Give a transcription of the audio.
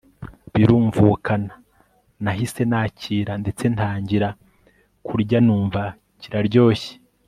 birumvukana nahise nakira ndetse ntangira kurya numva kiraryoshye